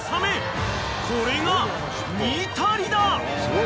［これがニタリだ］